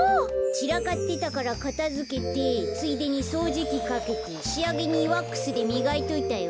ちらかってたからかたづけてついでにそうじきかけてしあげにワックスでみがいといたよ。